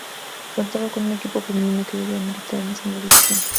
Contaba con un equipo femenino, que llegó a militar en Segunda División.